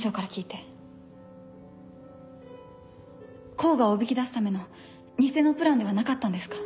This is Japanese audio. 甲賀をおびき出すための偽のプランではなかったんですか？